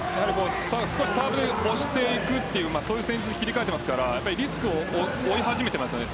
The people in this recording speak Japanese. サーブで押していくという戦術に切り替えていますからリスクを負い始めていますよね。